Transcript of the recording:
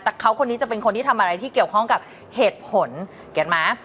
แต่เขาคนนี้จะเป็นคนที่ทำอะไรที่เกี่ยวข้องกับเหตุผลเขียนไหม